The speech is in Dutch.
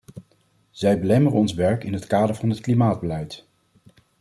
Zij belemmeren ons werk in het kader van het klimaatbeleid.